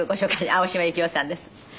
青島幸男さんです。